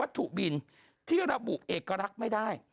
ถูกบินที่ระบุเอกลักษณ์ไม่ได้